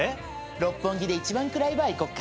六本木で一番暗いバー行こっか。